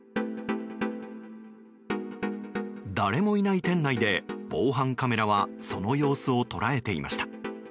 誰もいない店内で、防犯カメラはその様子を捉えていました。